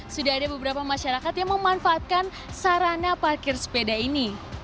sudah ada beberapa masyarakat yang memanfaatkan sarana parkir sepeda ini